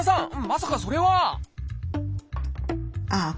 まさかそれは！